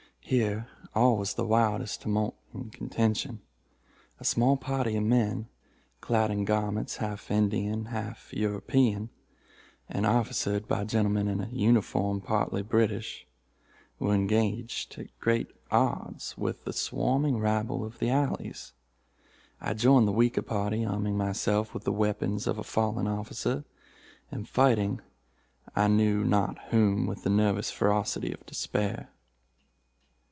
Here all was the wildest tumult and contention. A small party of men, clad in garments half Indian, half European, and officered by gentlemen in a uniform partly British, were engaged, at great odds, with the swarming rabble of the alleys. I joined the weaker party, arming myself with the weapons of a fallen officer, and fighting I knew not whom with the nervous ferocity of despair.